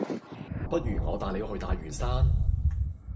不如我帶你去大嶼山